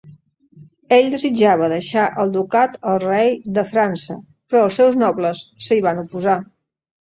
Ell desitjava deixar el ducat al rei de França, però els seus nobles s'hi van oposar.